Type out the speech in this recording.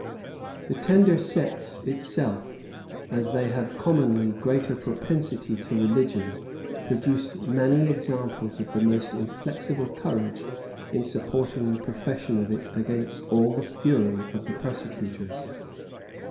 The tender sex itself, as they have commonly greater propensity to religion, produced many examples of the most inflexible courage in supporting the profession of it against all the fury of the persecutors.